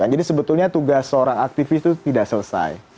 jadi sebetulnya tugas seorang aktivis itu tidak selesai